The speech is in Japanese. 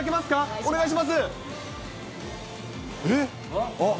お願いします。